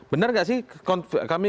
benar nggak sih kami